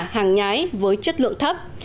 hàng nhái với chất lượng thấp